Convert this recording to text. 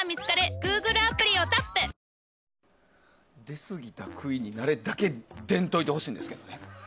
出過ぎた杭になれだけ出んといてほしいですけどね。